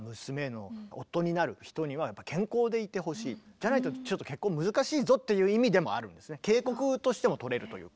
じゃないとちょっと結婚難しいぞっていう意味でもあるんですね。警告としても取れるというか。